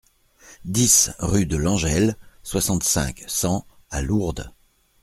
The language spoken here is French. dix rue de Langelle, soixante-cinq, cent à Lourdes